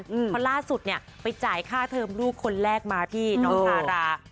เพราะล่าสุดเนี่ยไปจ่ายค่าเทอมลูกคนแรกมาพี่น้องทารา